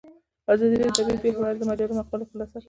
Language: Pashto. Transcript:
ازادي راډیو د طبیعي پېښې په اړه د مجلو مقالو خلاصه کړې.